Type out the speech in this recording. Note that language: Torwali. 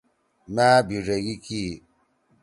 مأ بِڙیگی کی۔